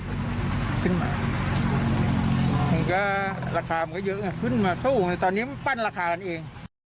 หรือแกละมันก็เยอะนะขึ้นมาถี่ตอนนี้จะปั้นราคากันเอง